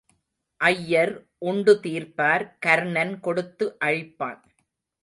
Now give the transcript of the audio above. ஐயர் உண்டு தீர்ப்பார் கர்ணன் கொடுத்து அழிப்பான்.